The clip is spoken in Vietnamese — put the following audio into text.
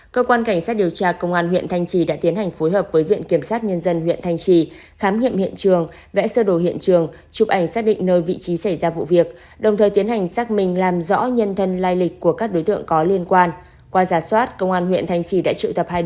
cơ quan cảnh sát điều tra công an huyện thanh trì đã tiến hành phối hợp với viện kiểm sát nhân dân huyện thanh trì khám nghiệm hiện trường chụp ảnh xác định nơi vị trí xảy ra vụ việc đồng thời tiến hành phối hợp với viện kiểm sát nhân dân huyện thanh trì